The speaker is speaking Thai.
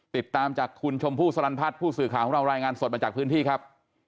ติดตามจากคุณชมพู่สลันพัฒน์ผู้สื่อข่าวของเรารายงานสดมาจากพื้นที่ครับ